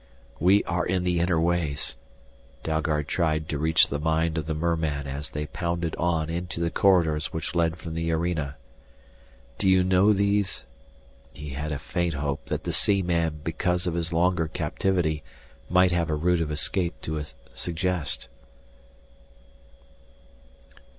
"We are in the inner ways," Dalgard tried to reach the mind of the merman as they pounded on into the corridors which led from the arena. "Do you know these " He had a faint hope that the sea man because of his longer captivity might have a route of escape to suggest.